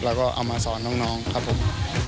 แล้วก็เอามาสอนน้องครับผม